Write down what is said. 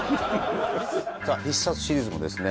『必殺』シリーズもですね